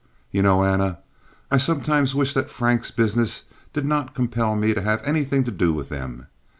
"You know, Anna, I sometimes wish that Frank's business did not compel me to have anything to do with them.